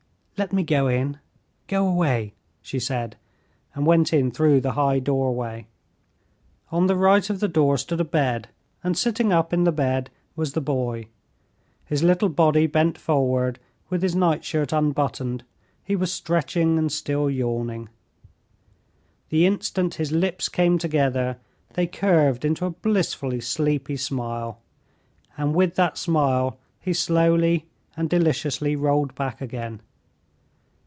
"Let me in; go away!" she said, and went in through the high doorway. On the right of the door stood a bed, and sitting up in the bed was the boy. His little body bent forward with his nightshirt unbuttoned, he was stretching and still yawning. The instant his lips came together they curved into a blissfully sleepy smile, and with that smile he slowly and deliciously rolled back again.